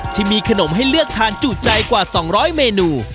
ที่มีขนมให้เลือกทานจุดใจกว่าสองร้อยเมนู